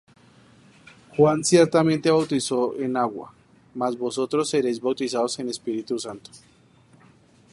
Juan ciertamente bautizó en agua; mas vosotros seréis bautizados en Espíritu Santo.